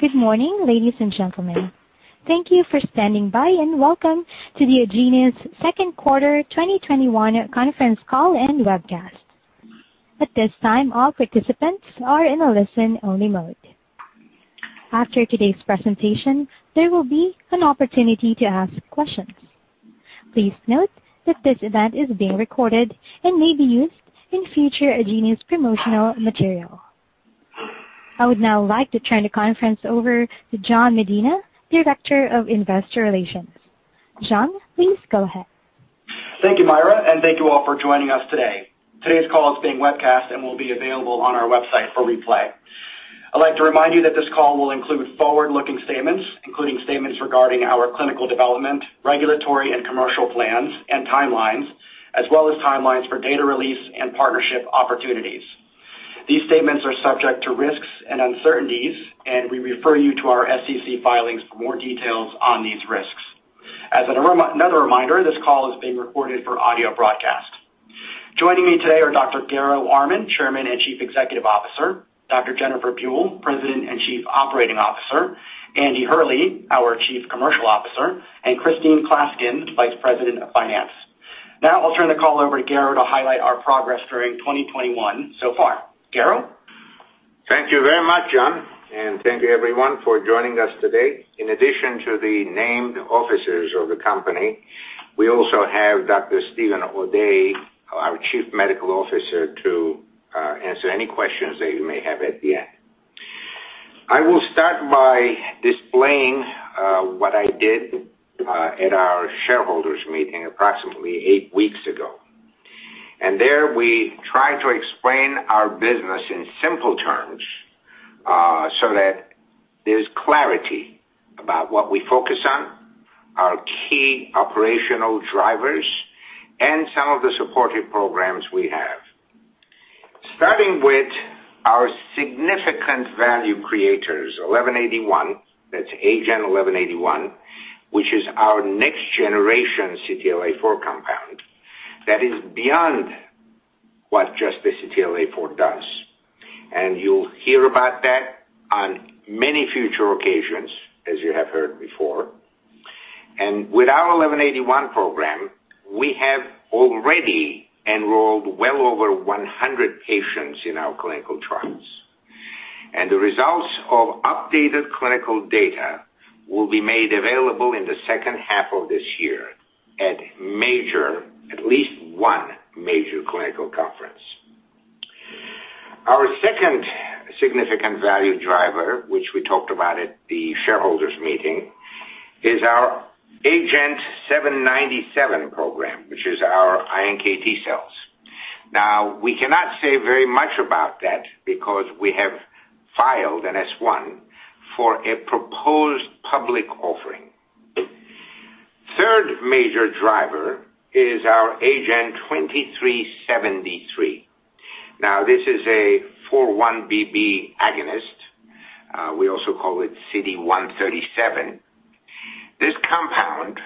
Good morning, ladies and gentlemen. Thank you for standing by, and welcome to the Agenus second quarter 2021 conference call and webcast. At this time, all participants are in a listen-only mode. After today's presentation, there will be an opportunity to ask questions. Please note that this event is being recorded and may be used in future Agenus promotional material. I would now like to turn the conference over to Jan Medina, Director of Investor Relations. Jan, please go ahead. Thank you, Myra, and thank you all for joining us today. Today's call is being webcast and will be available on our website for replay. I'd like to remind you that this call will include forward-looking statements, including statements regarding our clinical development, regulatory and commercial plans and timelines, as well as timelines for data release and partnership opportunities. These statements are subject to risks and uncertainties, and we refer you to our SEC filings for more details on these risks. As another reminder, this call is being recorded for audio broadcast. Joining me today are Dr. Garo Armen, Chairman and Chief Executive Officer, Dr. Jennifer Buell, President and Chief Operating Officer, Andy Hurley, our Chief Commercial Officer, and Christine Klaskin, Vice President of Finance. Now I'll turn the call over to Garo to highlight our progress during 2021 so far. Garo? Thank you very much, Jan, and thank you everyone for joining us today. In addition to the named officers of the company, we also have Dr. Steven O'Day, our Chief Medical Officer, to answer any questions that you may have at the end. I will start by displaying what I did at our shareholders' meeting approximately eight weeks ago. There we tried to explain our business in simple terms so that there's clarity about what we focus on, our key operational drivers, and some of the supportive programs we have. Starting with our significant value creators, 1181, that's AGEN1181, which is our next generation CTLA-4 compound that is beyond what just the CTLA-4 does. You'll hear about that on many future occasions, as you have heard before. With our 1181 program, we have already enrolled well over 100 patients in our clinical trials. The results of updated clinical data will be made available in the second half of this year at least one major clinical conference. Our second significant value driver, which we talked about at the shareholders' meeting, is our agenT-797 program, which is our iNKT cells. We cannot say very much about that because we have filed an S-1 for a proposed public offering. Third major driver is our AGEN2373. This is a 4-1BB agonist. We also call it CD137. This compound,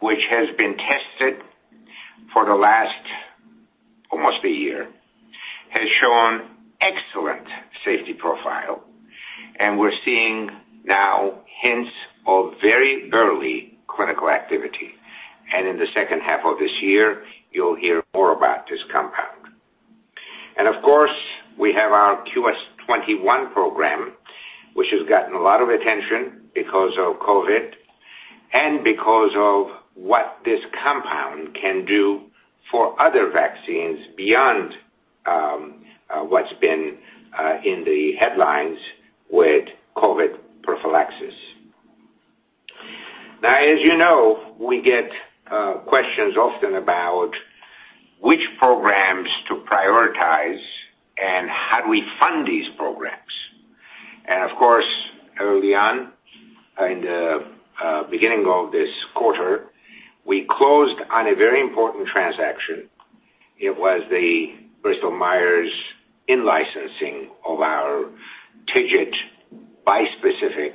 which has been tested for the last almost a year, has shown excellent safety profile, and we're seeing now hints of very early clinical activity. In the second half of this year, you'll hear more about this compound. Of course, we have our QS-21 program, which has gotten a lot of attention because of COVID and because of what this compound can do for other vaccines beyond what's been in the headlines with COVID prophylaxis. Now, as you know, we get questions often about which programs to prioritize and how do we fund these programs. Of course, early on in the beginning of this quarter, we closed on a very important transaction. It was the Bristol Myers in-licensing of our TIGIT bispecific,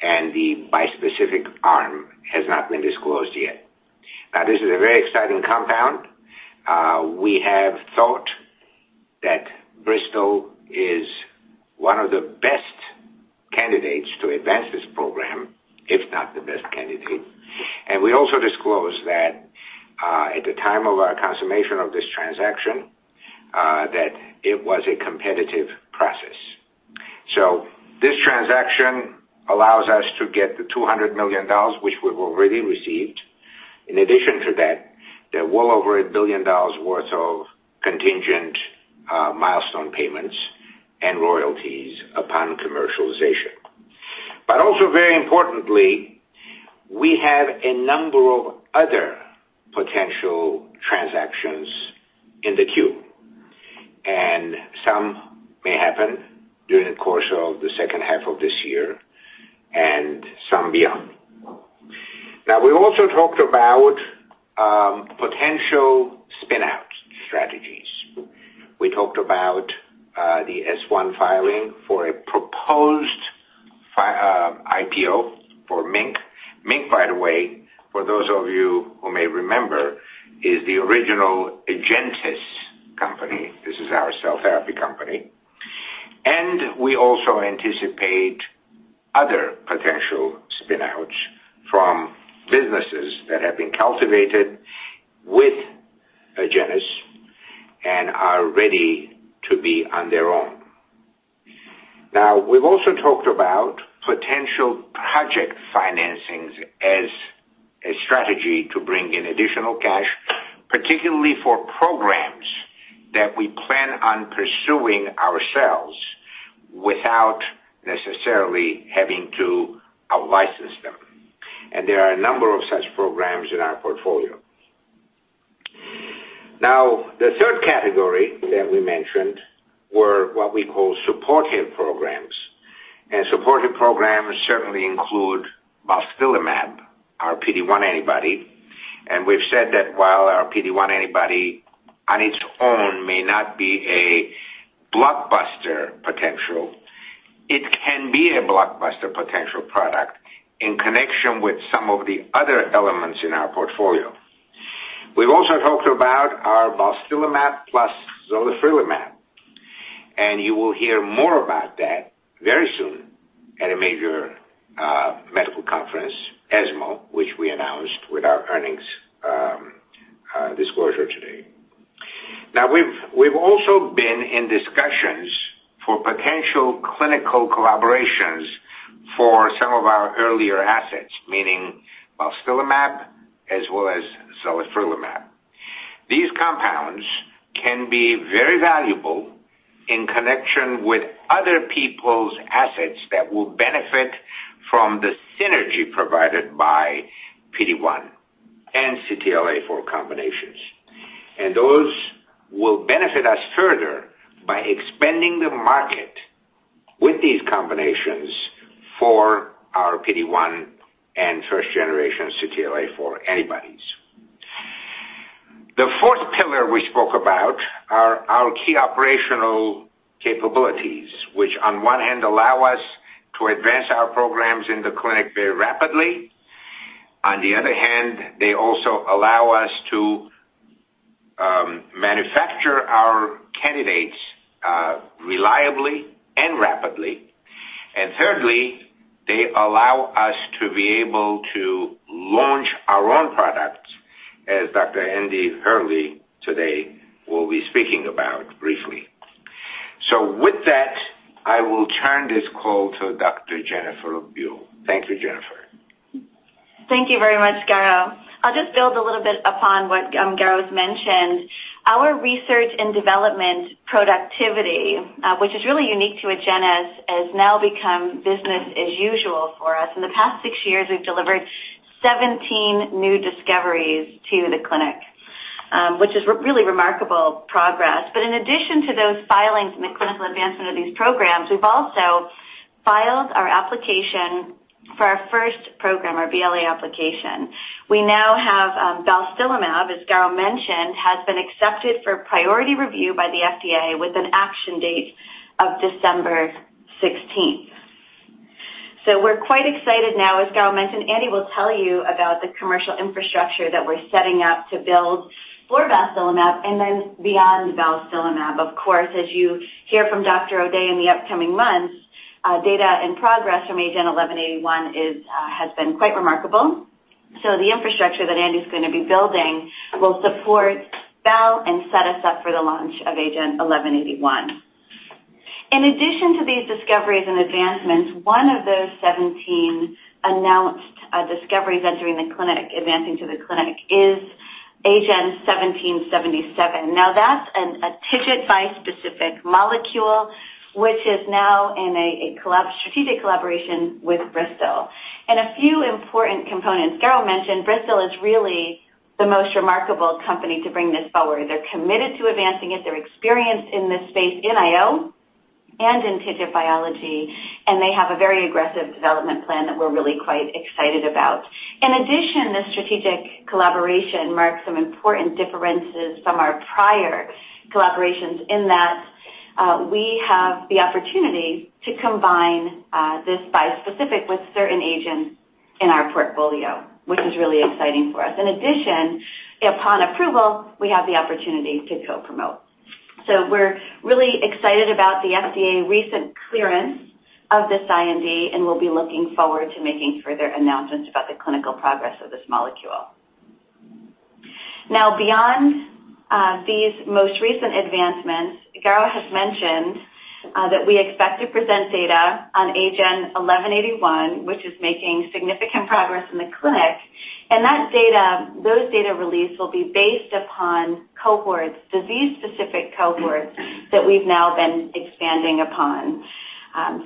and the bispecific arm has not been disclosed yet. Now, this is a very exciting compound. We have thought that Bristol is one of the best candidates to advance this program, if not the best candidate. We also disclosed that at the time of our consummation of this transaction that it was a competitive process. This transaction allows us to get the $200 million, which we've already received. In addition to that, there are well over $1 billion worth of contingent milestone payments and royalties upon commercialization. Very importantly, we have a number of other potential transactions in the queue, and some may happen during the course of the second half of this year and some beyond. Now, we also talked about potential spin-out strategies. We talked about the S-1 filing for a proposed IPO for MiNK. MiNK, by the way, for those of you who may remember, is the original AgenTus company. This is our cell therapy company. We also anticipate other potential spin-outs from businesses that have been cultivated with Agenus and are ready to be on their own. Now, we've also talked about potential project financings as a strategy to bring in additional cash, particularly for programs that we plan on pursuing ourselves without necessarily having to out-license them. There are a number of such programs in our portfolio. Now, the third category that we mentioned were what we call supportive programs. Supportive programs certainly include balstilimab, our PD-1 antibody. We've said that while our PD-1 antibody on its own may not be a blockbuster potential, it can be a blockbuster potential product in connection with some of the other elements in our portfolio. We've also talked about our Balstilimab plus zalifrelimab, and you will hear more about that very soon at a major medical conference, ESMO, which we announced with our earnings disclosure today. Now, we've also been in discussions for potential clinical collaborations for some of our earlier assets, meaning balstilimab as well as zalifrelimab. These compounds can be very valuable in connection with other people's assets that will benefit from the synergy provided by PD-1 and CTLA-4 combinations. Those will benefit us further by expanding the market with these combinations for our PD-1 and 1st generation CTLA-4 antibodies. The fourth pillar we spoke about are our key operational capabilities, which on one hand allow us to advance our programs in the clinic very rapidly. On the other hand, they also allow us to manufacture our candidates reliably and rapidly. Thirdly, they allow us to be able to launch our own products, as Dr. Andy Hurley today will be speaking about briefly. With that, I will turn this call to Dr. Jennifer Buell. Thank you, Jennifer. Thank you very much, Garo. I'll just build a little bit upon what Garo's mentioned. Our research and development productivity, which is really unique to Agenus, has now become business as usual for us. In the past six years, we've delivered 17 new discoveries to the clinic, which is really remarkable progress. In addition to those filings and the clinical advancement of these programs, we've also filed our application for our first program, our BLA application. We now have balstilimab, as Garo mentioned, has been accepted for priority review by the FDA with an action date of December 16th. We're quite excited now, as Garo mentioned, Andy will tell you about the commercial infrastructure that we're setting up to build for balstilimab and then beyond balstilimab. Of course, as you hear from Dr. O'Day in the upcoming months, data and progress from AGN 1181 has been quite remarkable. The infrastructure that Andy's gonna be building will support Bal and set us up for the launch of AGN 1181. In addition to these discoveries and advancements, one of those 17 announced discoveries entering the clinic, advancing to the clinic, is AGEN1777. Now, that's a TIGIT bispecific molecule, which is now in a strategic collaboration with Bristol. A few important components. Garo mentioned Bristol is really the most remarkable company to bring this forward. They're committed to advancing it. They're experienced in this space in IO and in TIGIT biology, and they have a very aggressive development plan that we're really quite excited about. In addition, this strategic collaboration marks some important differences from our prior collaborations in that we have the opportunity to combine this bispecific with certain agents in our portfolio, which is really exciting for us. In addition, upon approval, we have the opportunity to co-promote. We're really excited about the FDA's recent clearance of this IND, and we'll be looking forward to making further announcements about the clinical progress of this molecule. Now, beyond these most recent advancements, Garo has mentioned that we expect to present data on AGEN1181, which is making significant progress in the clinic. That data, those data release will be based upon cohorts, disease-specific cohorts that we've now been expanding upon.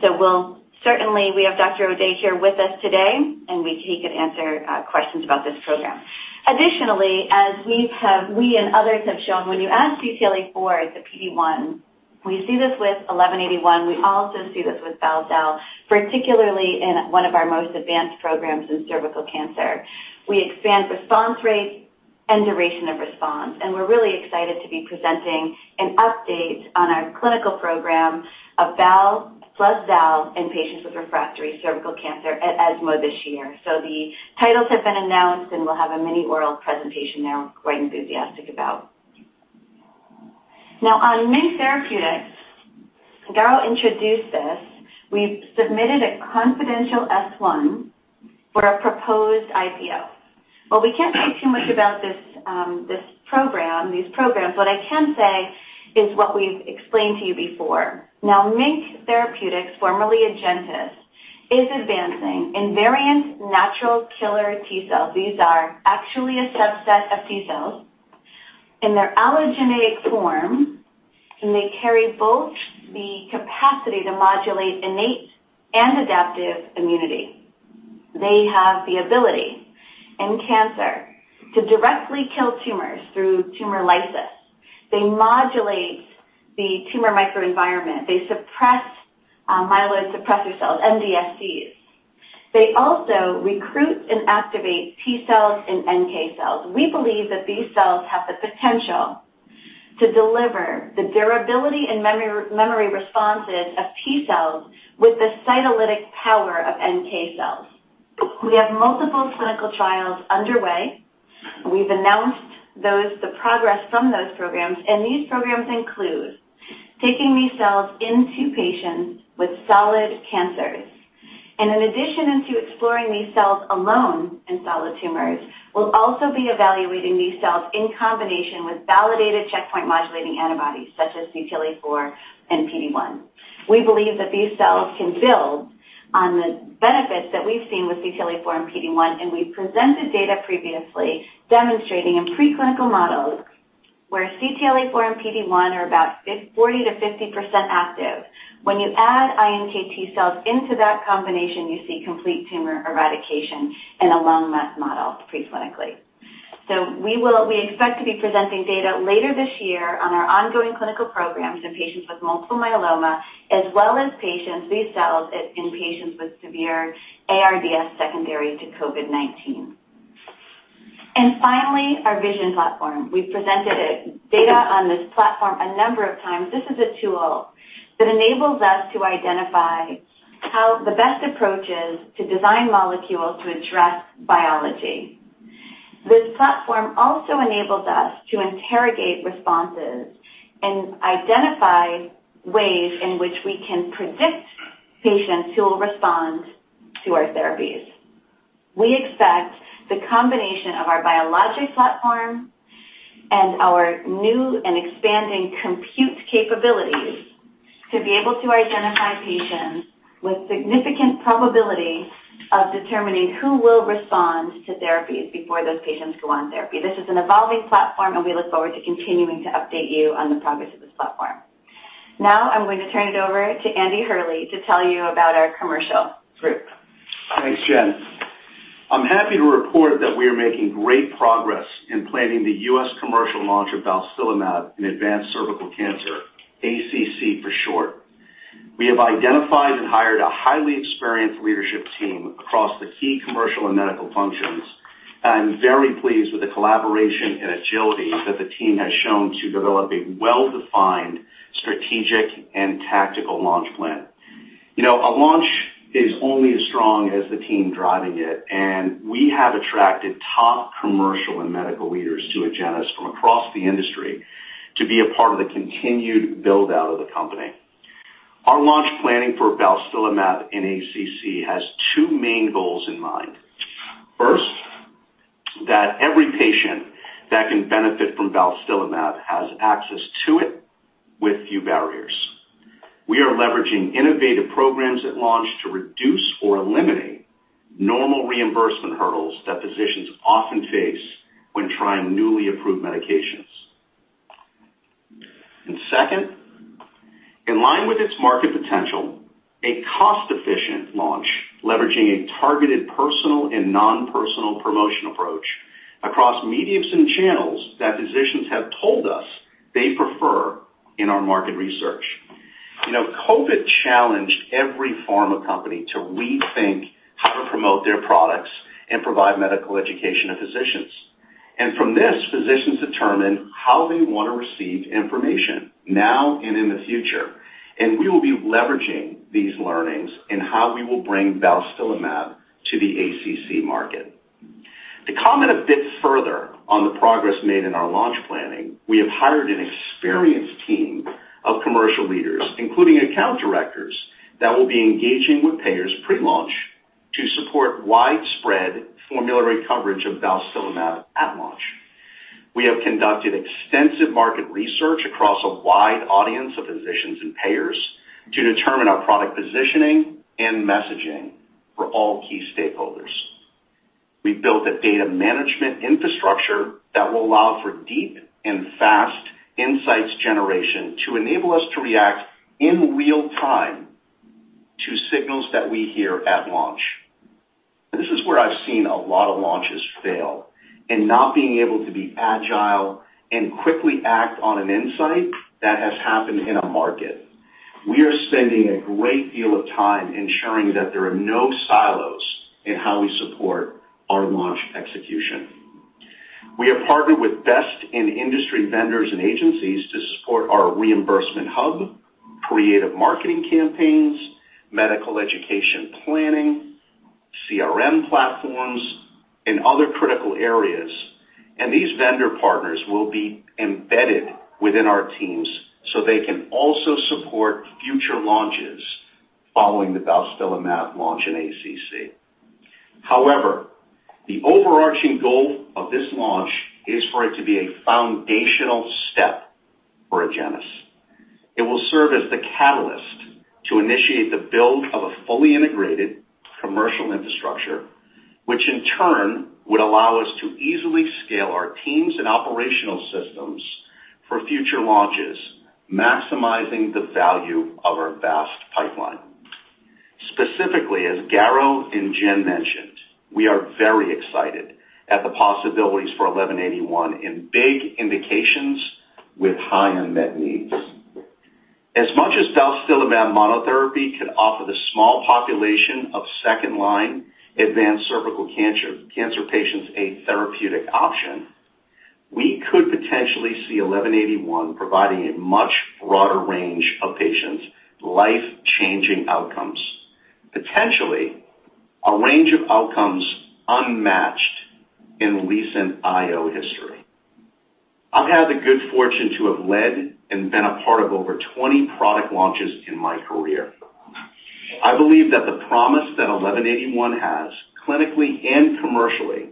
We'll certainly have Dr. O'Day here with us today, and we'll take and answer questions about this program. Additionally, as we've, we and others have shown, when you add CTLA-4 to the PD-1, we see this with 1181. We also see this with Bal/Zal, particularly in one of our most advanced programs in cervical cancer. We expand response rate and duration of response, and we're really excited to be presenting an update on our clinical program of Bal plus Zal in patients with refractory cervical cancer at ESMO this year. The titles have been announced, and we'll have a mini oral presentation there, I'm quite enthusiastic about. Now on MiNK Therapeutics, Garo introduced this. We've submitted a confidential S-1 for a proposed IPO. While we can't say too much about this program, these programs, what I can say is what we've explained to you before. Now, MiNK Therapeutics, formerly Agenus, is advancing invariant natural killer T cells. These are actually a subset of T cells in their allogeneic form, and they carry both the capacity to modulate innate and adaptive immunity. They have the ability in cancer to directly kill tumors through tumor lysis. They modulate the tumor microenvironment. They suppress myeloid suppressor cells, MDSCs. They also recruit and activate T cells and NK cells. We believe that these cells have the potential to deliver the durability and memory responses of T cells with the cytolytic power of NK cells. We have multiple clinical trials underway. We've announced those, the progress from those programs, and these programs include taking these cells into patients with solid cancers. In addition to exploring these cells alone in solid tumors, we'll also be evaluating these cells in combination with validated checkpoint modulating antibodies such as CTLA-4 and PD-1. We believe that these cells can build on the benefits that we've seen with CTLA-4 and PD-1, and we presented data previously demonstrating in preclinical models where CTLA-4 and PD-1 are about 40%-50% active. When you add iNKT cells into that combination, you see complete tumor eradication in a lung met model preclinically. We expect to be presenting data later this year on our ongoing clinical programs in patients with multiple myeloma, as well as these cells in patients with severe ARDS secondary to COVID-19. Finally, our VISION platform. We've presented data on this platform a number of times. This is a tool that enables us to identify how the best approach is to design molecules to address biology. This platform also enables us to interrogate responses and identify ways in which we can predict patients who will respond to our therapies. We expect the combination of our biologic platform and our new and expanding compute capabilities to be able to identify patients with significant probability of determining who will respond to therapies before those patients go on therapy. This is an evolving platform, and we look forward to continuing to update you on the progress of this platform. Now I'm going to turn it over to Andy Hurley to tell you about our commercial group. Thanks, Jen. I'm happy to report that we are making great progress in planning the U.S. commercial launch of balstilimab in advanced cervical cancer, ACC for short. We have identified and hired a highly experienced leadership team across the key commercial and medical functions. I'm very pleased with the collaboration and agility that the team has shown to develop a well-defined strategic and tactical launch plan. You know, a launch is only as strong as the team driving it, and we have attracted top commercial and medical leaders to Agenus from across the industry to be a part of the continued build-out of the company. Our launch planning for balstilimab in ACC has two main goals in mind. First, that every patient that can benefit from balstilimab has access to it with few barriers. We are leveraging innovative programs at launch to reduce or eliminate normal reimbursement hurdles that physicians often face when trying newly approved medications. Second, in line with its market potential, a cost-efficient launch leveraging a targeted personal and non-personal promotion approach across mediums and channels that physicians have told us they prefer in our market research. You know, COVID challenged every pharma company to rethink how to promote their products and provide medical education to physicians. From this, physicians determine how they want to receive information now and in the future, and we will be leveraging these learnings in how we will bring balstilimab to the ACC market. To comment a bit further on the progress made in our launch planning, we have hired an experienced team of commercial leaders, including account directors that will be engaging with payers pre-launch to support widespread formulary coverage of balstilimab at launch. We have conducted extensive market research across a wide audience of physicians and payers to determine our product positioning and messaging for all key stakeholders. We've built a data management infrastructure that will allow for deep and fast insights generation to enable us to react in real time to signals that we hear at launch. This is where I've seen a lot of launches fail in not being able to be agile and quickly act on an insight that has happened in a market. We are spending a great deal of time ensuring that there are no silos in how we support our launch execution. We have partnered with best in industry vendors and agencies to support our reimbursement hub, creative marketing campaigns, medical education planning, CRM platforms, and other critical areas. These vendor partners will be embedded within our teams so they can also support future launches following the balstilimab launch in ACC. However, the overarching goal of this launch is for it to be a foundational step for Agenus. It will serve as the catalyst to initiate the build of a fully integrated commercial infrastructure, which in turn would allow us to easily scale our teams and operational systems for future launches, maximizing the value of our vast pipeline. Specifically, as Garo and Jen mentioned, we are very excited at the possibilities for 1181 in big indications with high unmet needs. As much as balstilimab monotherapy could offer the small population of second-line advanced cervical cancer patients a therapeutic option, we could potentially see 1181 providing a much broader range of patients life-changing outcomes, potentially a range of outcomes unmatched in recent IO history. I've had the good fortune to have led and been a part of over 20 product launches in my career. I believe that the promise that 1181 has clinically and commercially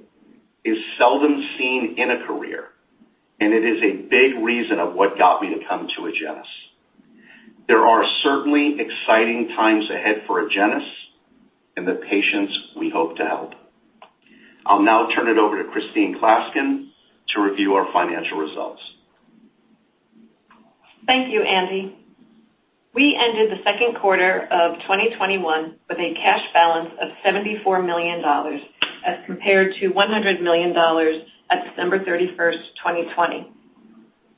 is seldom seen in a career, and it is a big reason of what got me to come to Agenus. There are certainly exciting times ahead for Agenus and the patients we hope to help. I'll now turn it over to Christine Klaskin to review our financial results. Thank you, Andy. We ended the second quarter of 2021 with a cash balance of $74 million as compared to $100 million at December 31st 2020.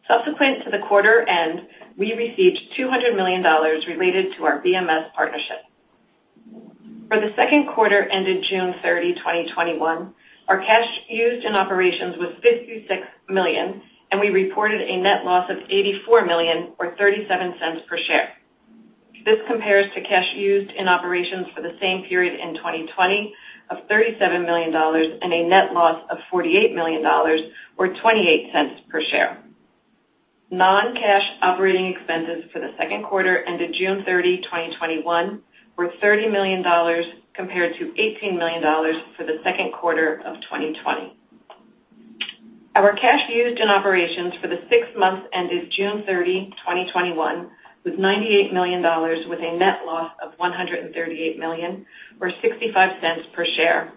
Subsequent to the quarter end, we received $200 million related to our BMS partnership. For the second quarter ended June 30 2021, our cash used in operations was $56 million, and we reported a net loss of $84 million or $0.37 per share. This compares to cash used in operations for the same period in 2020 of $37 million and a net loss of $48 million or $0.28 per share. Non-cash operating expenses for the second quarter ended June 30 2021, were $30 million compared to $18 million for the second quarter of 2020. Our cash used in operations for the six months ended June 30 2021, was $98 million with a net loss of $138 million or $0.65 per share,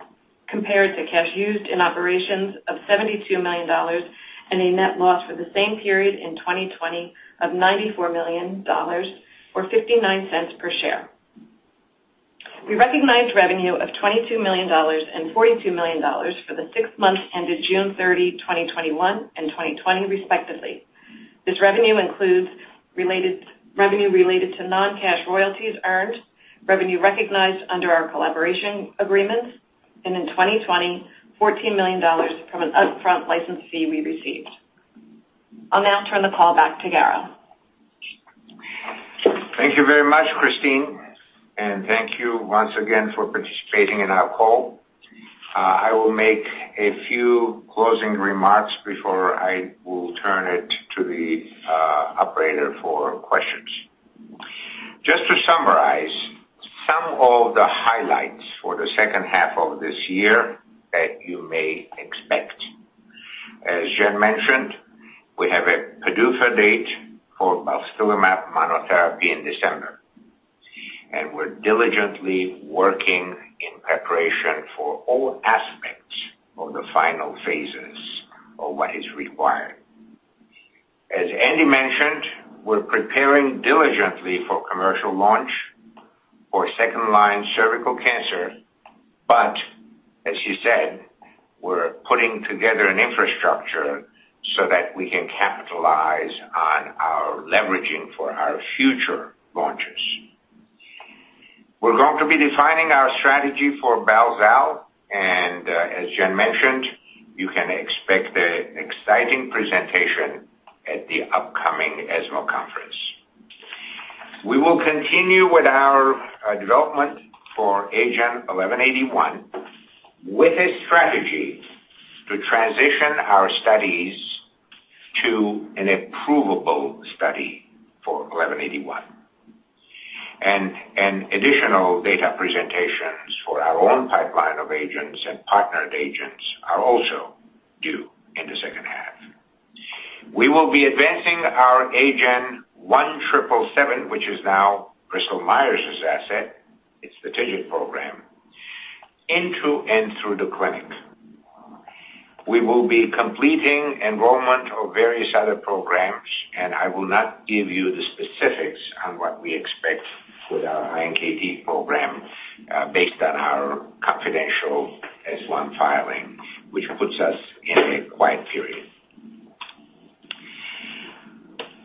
compared to cash used in operations of $72 million and a net loss for the same period in 2020 of $94 million or $0.59 per share. We recognized revenue of $22 million and $42 million for the six months ended June 30 2021, and 2020, respectively. This revenue includes revenue related to non-cash royalties earned, revenue recognized under our collaboration agreements, and in 2020, $14 million from an upfront license fee we received. I'll now turn the call back to Garo. Thank you very much, Christine, and thank you once again for participating in our call. I will make a few closing remarks before I will turn it to the operator for questions. Just to summarize some of the highlights for the second half of this year that you may expect. As Jen mentioned, we have a PDUFA date for balstilimab monotherapy in December, and we're diligently working in preparation for all aspects of the final phases of what is required. As Andy mentioned, we're preparing diligently for commercial launch for second-line cervical cancer. As you said, we're putting together an infrastructure so that we can capitalize on our leveraging for our future launches. We're going to be defining our strategy for Bal, Zal, and as Jen mentioned, you can expect an exciting presentation at the upcoming ESMO conference. We will continue with our development for AGEN1181 with a strategy to transition our studies to an approvable study for 1181. Additional data presentations for our own pipeline of agents and partnered agents are also due in the second half. We will be advancing our AGEN1777, which is now Bristol Myers' asset, its TIGIT program, into and through the clinic. We will be completing enrollment of various other programs, and I will not give you the specifics on what we expect with our MiNK program, based on our confidential S-1 filing, which puts us in a quiet period.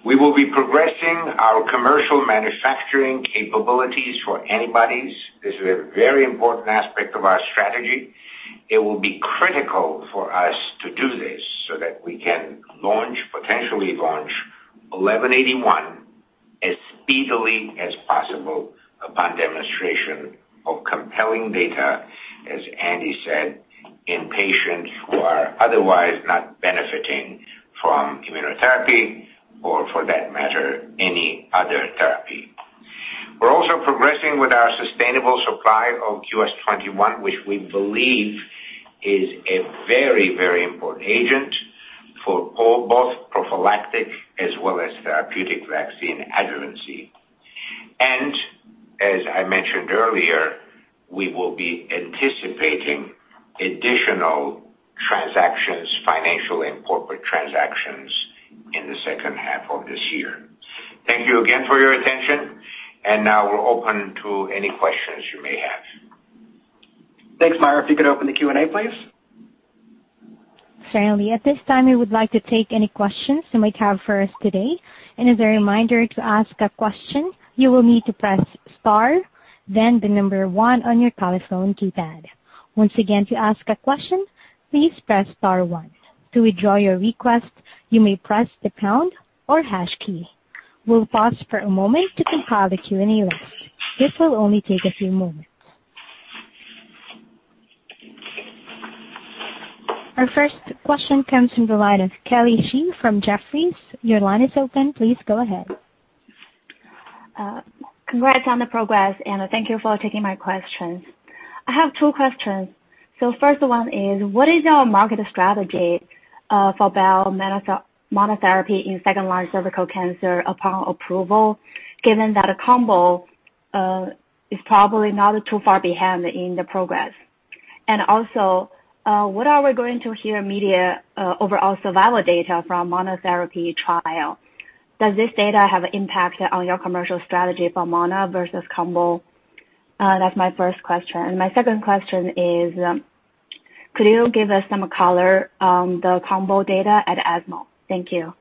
We will be progressing our commercial manufacturing capabilities for antibodies. This is a very important aspect of our strategy. It will be critical for us to do this so that we can launch, potentially launch 1181 as speedily as possible upon demonstration of compelling data, as Andy said, in patients who are otherwise not benefiting from immunotherapy or for that matter, any other therapy. We're also progressing with our sustainable supply of QS-21, which we believe is a very, very important agent for both prophylactic as well as therapeutic vaccine adjuvancy. As I mentioned earlier, we will be anticipating additional transactions, financial and corporate transactions in the second half of this year. Thank you again for your attention, and now we're open to any questions you may have. Thanks, Meyer. If you could open the Q&A, please. Certainly. At this time, we would like to take any questions you might have for us today. As a reminder to ask a question, you will need to press star, then one on your telephone keypad. Once again, to ask a question, please press star one. To withdraw your request, you may press the pound or hash key. We'll pause for a moment to compile the Q&A list. This will only take a few moments. Our first question comes from the line of Kelly Shi from Jefferies. Your line is open. Please go ahead. Congrats on the progress, and thank you for taking my questions. I have two questions. First one is, what is your market strategy for Bal monotherapy in second-line cervical cancer upon approval, given that a combo is probably not too far behind in the progress? Also, what are we going to hear median overall survival data from monotherapy trial? Does this data have impact on your commercial strategy for mono versus combo? That's my first question. My second question is, could you give us some color on the combo data at ESMO? Thank you.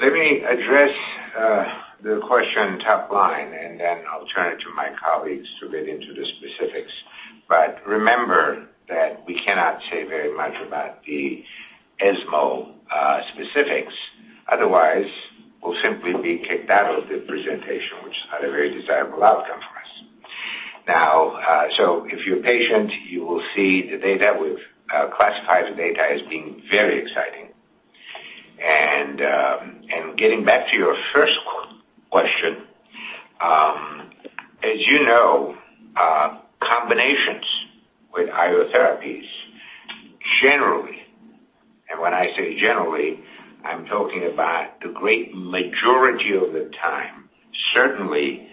Let me address the question top line, and then I'll turn it to my colleagues to get into the specifics. Remember that we cannot say very much about the ESMO specifics. Otherwise, we'll simply be kicked out of the presentation, which is not a very desirable outcome for us. Now, if you're patient, you will see the data. We've classified the data as being very exciting. Getting back to your first question, as you know, combinations with IO therapies generally, and when I say generally, I'm talking about the great majority of the time, certainly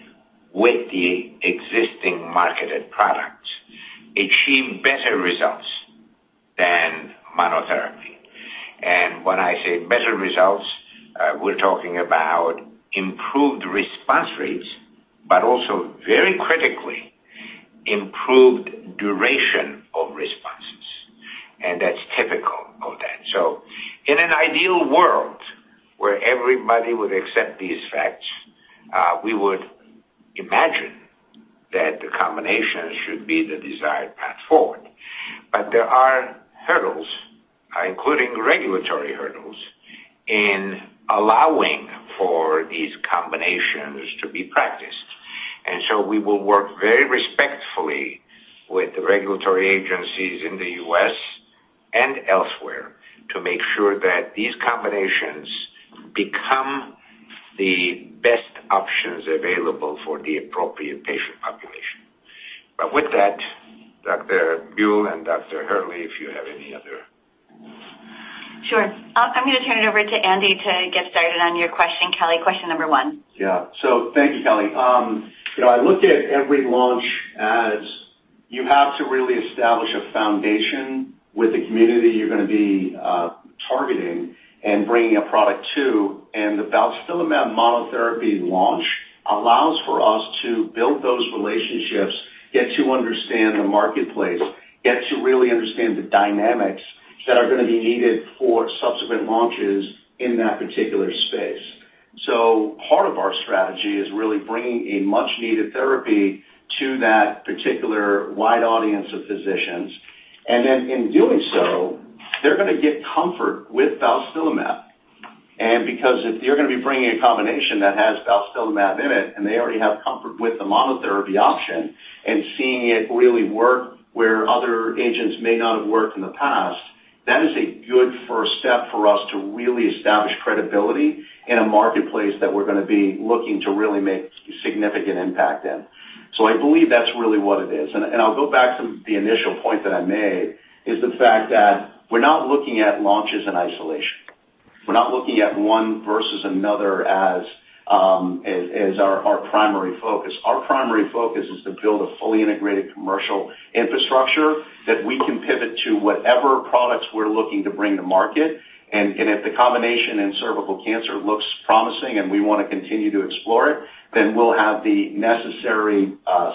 with the existing marketed products, achieve better results than monotherapy. When I say better results, we're talking about improved response rates, but also very critically improved duration of responses, and that's typical of that. In an ideal world where everybody would accept these facts, we would imagine that the combination should be the desired path forward. There are hurdles, including regulatory hurdles, in allowing for these combinations to be practiced. We will work very respectfully with the regulatory agencies in the U.S. and elsewhere to make sure that these combinations become the best options available for the appropriate patient population. With that, Dr. Buell and Dr. Hurley, if you have any other. Sure. I'm gonna turn it over to Andy to get started on your question, Kelly. Question number one. Thank you, Kelly. You know, I look at every launch as you have to really establish a foundation with the community you're gonna be targeting and bringing a product to. The balstilimab monotherapy launch allows for us to build those relationships, get to understand the marketplace, get to really understand the dynamics that are gonna be needed for subsequent launches in that particular space. Part of our strategy is really bringing a much needed therapy to that particular wide audience of physicians. Then in doing so, they're gonna get comfort with balstilimab. Because if you're gonna be bringing a combination that has balstilimab in it, and they already have comfort with the monotherapy option and seeing it really work where other agents may not have worked in the past, that is a good first step for us to really establish credibility in a marketplace that we're gonna be looking to really make significant impact in. I believe that's really what it is. I'll go back to the initial point that I made is the fact that we're not looking at launches in isolation. We're not looking at one versus another as our primary focus. Our primary focus is to build a fully integrated commercial infrastructure that we can pivot to whatever products we're looking to bring to market. If the combination in cervical cancer looks promising and we wanna continue to explore it, then we'll have the necessary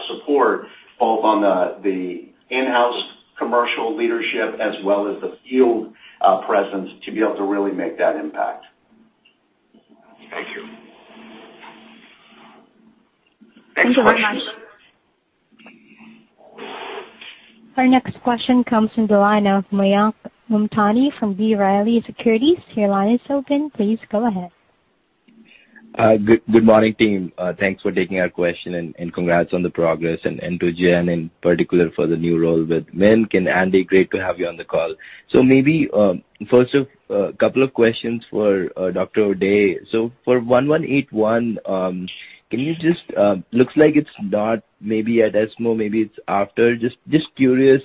support both on the in-house commercial leadership as well as the field, presence to be able to really make that impact. Thank you. Thank you very much. Next question. Our next question comes from the line of Mayank Mamtani from B. Riley Securities. Your line is open. Please go ahead. Good morning, team. Thanks for taking our question and congrats on the progress, and to Jen in particular for the new role with MiNK and Andy, great to have you on the call. Maybe first off, a couple of questions for Dr. O'Day. For 1181, can you just looks like it's not maybe at ESMO, maybe it's after. Just curious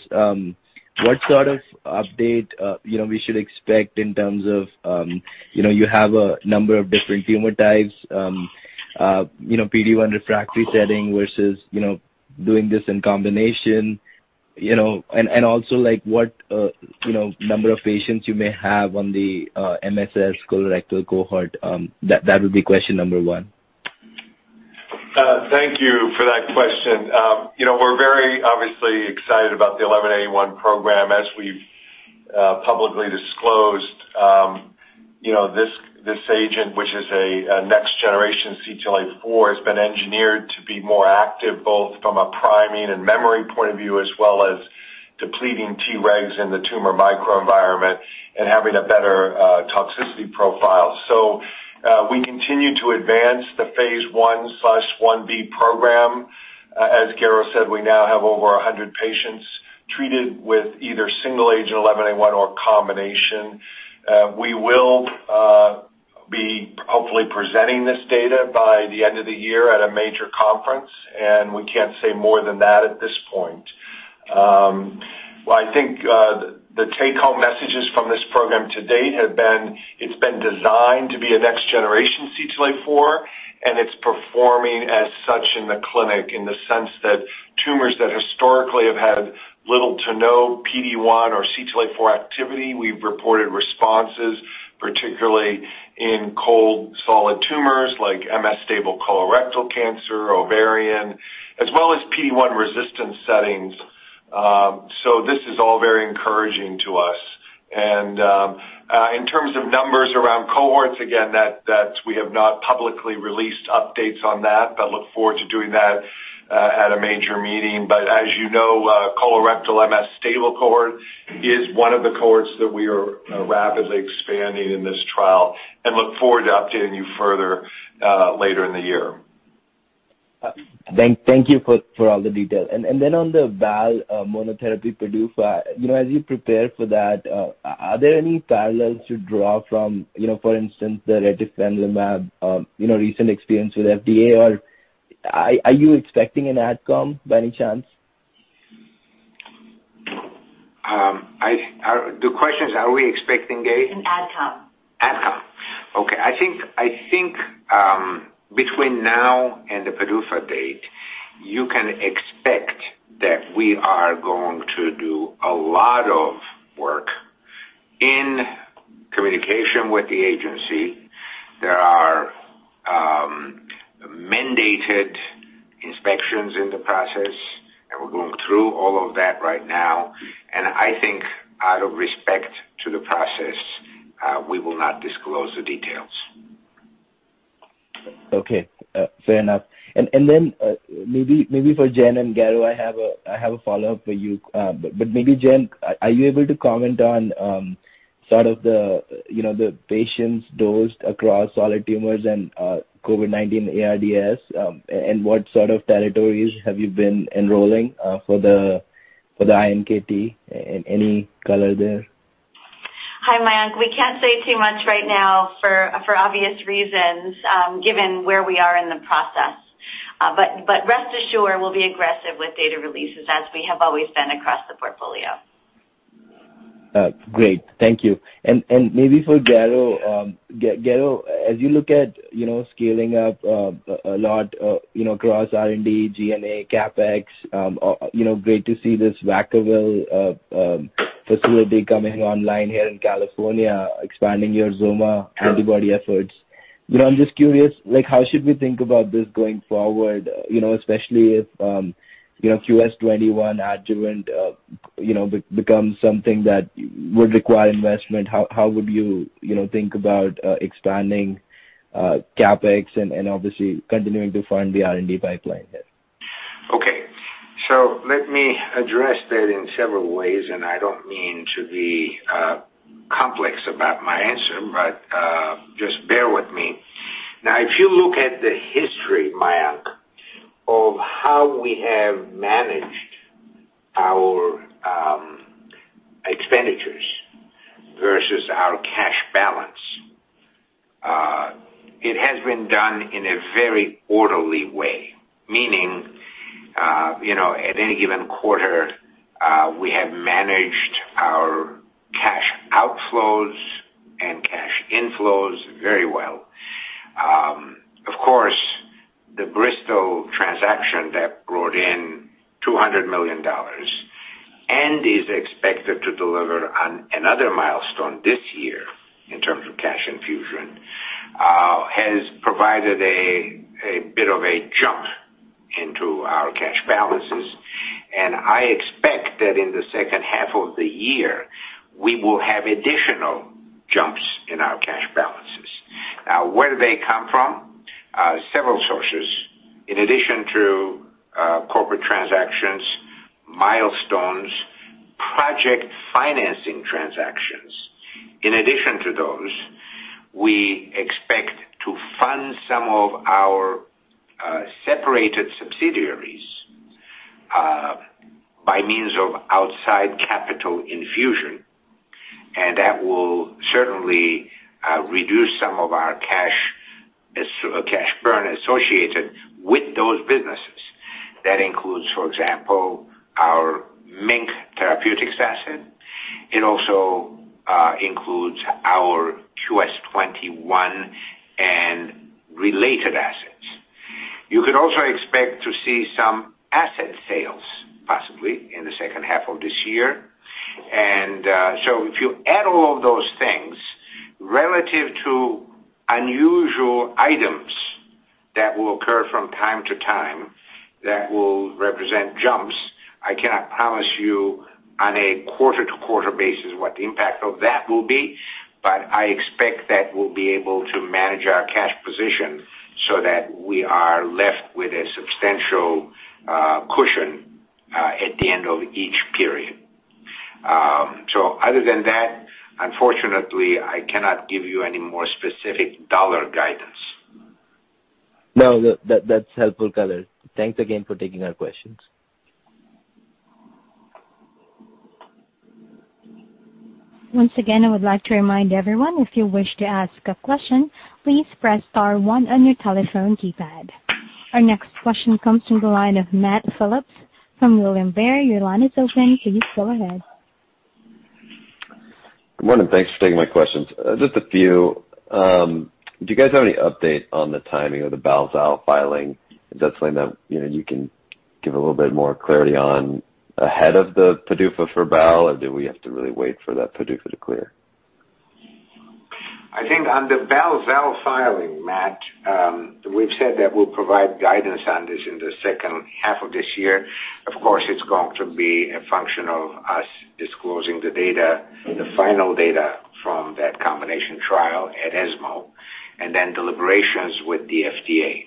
what sort of update you know we should expect in terms of you know you have a number of different tumor types you know PD-1 refractory setting versus you know doing this in combination you know. Also like what you know number of patients you may have on the MSS colorectal cohort. That would be question number one. Thank you for that question. You know, we're very obviously excited about the 1181 program. As we've publicly disclosed, you know, this agent, which is a next generation CTLA-4, has been engineered to be more active, both from a priming and memory point of view, as well as depleting Tregs in the tumor microenvironment and having a better toxicity profile. We continue to advance the phase I/ I-B program. As Garo said, we now have over 100 patients treated with either single-agent 1181 or combination. We will be hopefully presenting this data by the end of the year at a major conference, and we can't say more than that at this point. Well, I think the take-home messages from this program to date have been it's been designed to be a next generation CTLA-4, and it's performing as such in the clinic, in the sense that tumors that historically have had little to no PD-1 or CTLA-4 activity, we've reported responses, particularly in cold solid tumors like MSS stable colorectal cancer, ovarian, as well as PD-1 resistant settings. This is all very encouraging to us. In terms of numbers around cohorts, again, that we have not publicly released updates on that, but look forward to doing that at a major meeting. As you know, colorectal MSS stable cohort is one of the cohorts that we are rapidly expanding in this trial and look forward to updating you further later in the year. Thank you for all the detail. On the Bal monotherapy PDUFA, you know, as you prepare for that, are there any parallels to draw from, you know, for instance, the retifanlimab recent experience with FDA, or are you expecting an adcom by any chance? The question is, are we expecting a? An adcom. Adcom. Okay. I think, between now and the PDUFA date, you can expect that we are going to do a lot of work in communication with the agency. There are mandated inspections in the process, and we're going through all of that right now, and I think out of respect to the process, we will not disclose the details. Okay. Fair enough. Then, maybe for Jen and Garo, I have a follow-up for you. But maybe Jen, are you able to comment on sort of, you know, the patients dosed across solid tumors and COVID-19 ARDS, and what sort of territories have you been enrolling for the iNKT, and any color there? Hi, Mayank. We can't say too much right now for obvious reasons, given where we are in the process. Rest assured, we'll be aggressive with data releases as we have always been across the portfolio. Great. Thank you. Maybe for Garo, as you look at, you know, scaling up a lot, you know, across R&D, G&A, CapEx, you know, great to see this Vacaville facility coming online here in California, expanding your XOMA antibody efforts. You know, I'm just curious, like, how should we think about this going forward? You know, especially if, you know, QS-21 adjuvant, you know, becomes something that would require investment. How would you know, think about, expanding, CapEx and obviously continuing to fund the R&D pipeline there? Okay. Let me address that in several ways, and I don't mean to be complex about my answer, but just bear with me. Now, if you look at the history, Mayank, of how we have managed our expenditures versus our cash balance, it has been done in a very orderly way. Meaning, you know, at any given quarter, we have managed our cash outflows and cash inflows very well. Of course, the Bristol transaction that brought in $200 million and is expected to deliver another milestone this year in terms of cash infusion has provided a bit of a jump into our cash balances. I expect that in the second half of the year, we will have additional jumps in our cash balances. Now, where do they come from? Several sources. In addition to corporate transactions, milestones, project financing transactions. In addition to those, we expect to fund some of our separated subsidiaries by means of outside capital infusion. That will certainly reduce some of our cash, sort of cash burn associated with those businesses. That includes, for example, our MiNK Therapeutics asset. It also includes our QS-21 and related assets. You could also expect to see some asset sales, possibly in the second half of this year. If you add all of those things relative to unusual items that will occur from time to time, that will represent jumps. I cannot promise you on a quarter-to-quarter basis what the impact of that will be, but I expect that we'll be able to manage our cash position so that we are left with a substantial cushion at the end of each period. Other than that, unfortunately, I cannot give you any more specific dollar guidance. No, that's helpful color. Thanks again for taking our questions. Once again, I would like to remind everyone, if you wish to ask a question, please press star one on your telephone keypad. Our next question comes from the line of Matt Phillips from William Blair. Your line is open. Please go ahead. Good morning. Thanks for taking my questions. Just a few. Do you guys have any update on the timing of the Bal, Zal filing? Is that something that, you know, you can give a little bit more clarity on ahead of the PDUFA for Bal? Or do we have to really wait for that PDUFA to clear? I think on the Bal, Zal filing, Matt, we've said that we'll provide guidance on this in the second half of this year. Of course, it's going to be a function of us disclosing the data, the final data from that combination trial at ESMO and then deliberations with the FDA.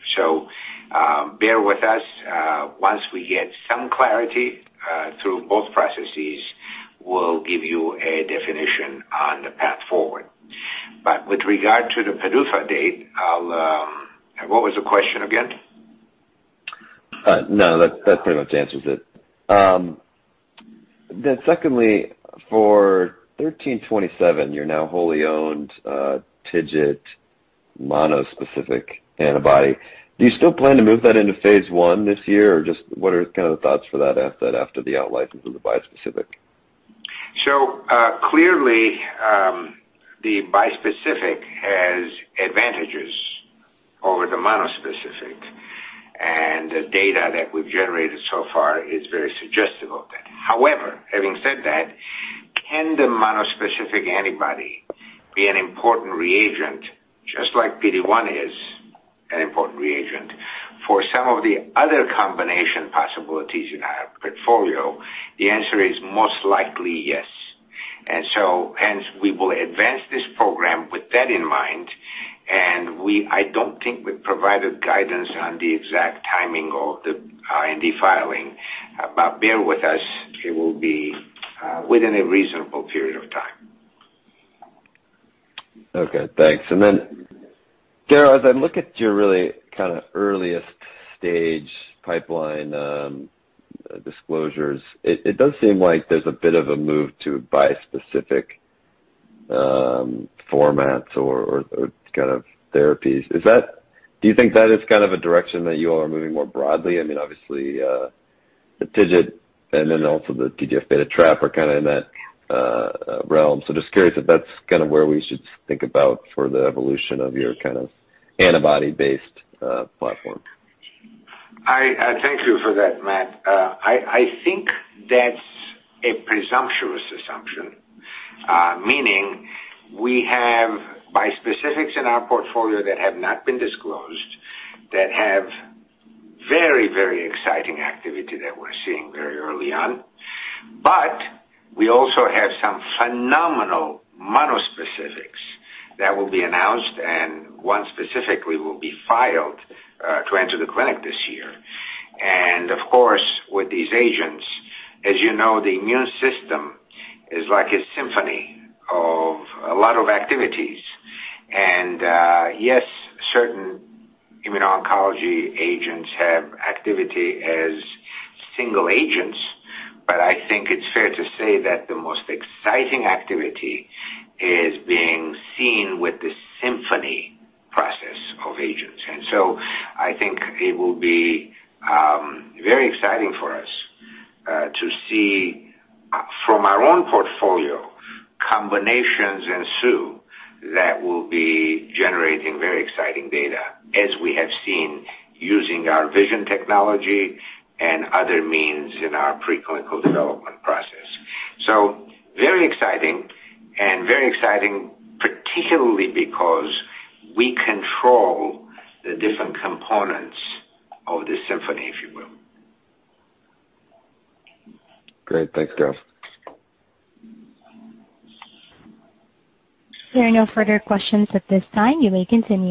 Bear with us. Once we get some clarity through both processes, we'll give you a definition on the path forward. With regard to the PDUFA date. What was the question again? No, that pretty much answers it. Secondly, for 1327, your now wholly owned TIGIT monospecific antibody, do you still plan to move that into phase I this year? What are kind of the thoughts for that after the outlicense of the bispecific? Clearly, the bispecific has advantages over the monospecific, and the data that we've generated so far is very suggestive of that. However, having said that, can the monospecific antibody be an important reagent, just like PD-1 is an important reagent, for some of the other combination possibilities in our portfolio? The answer is most likely yes. Hence we will advance this program with that in mind, and I don't think we've provided guidance on the exact timing of the IND filing, but bear with us, it will be within a reasonable period of time. Okay, thanks. Then, Garo, as I look at your really kinda earliest stage pipeline disclosures, it does seem like there's a bit of a move to bispecific formats or kind of therapies. Is that? Do you think that is kind of a direction that you all are moving more broadly? I mean, obviously, the TIGIT and then also the TGF beta trap are kinda in that realm. Just curious if that's kinda where we should think about for the evolution of your kind of antibody-based platform. Thank you for that, Matt. I think that's a presumptuous assumption. Meaning we have bispecifics in our portfolio that have not been disclosed that have very, very exciting activity that we're seeing very early on. But we also have some phenomenal monospecifics that will be announced, and one specifically will be filed to enter the clinic this year. Of course, with these agents, as you know, the immune system is like a symphony of a lot of activities. Yes, certain immuno-oncology agents have activity as single agents, but I think it's fair to say that the most exciting activity is being seen with the symphony process of agents. I think it will be very exciting for us to see, from our own portfolio, combinations ensue that will be generating very exciting data, as we have seen using our VISION technology and other means in our preclinical development process. Very exciting, and very exciting particularly because we control the different components of the symphony, if you will. Great. Thanks, Garo. There are no further questions at this time. You may continue.